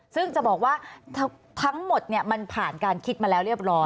ซึ่งจะบอกว่าทั้งหมดมันผ่านการคิดมาแล้วเรียบร้อย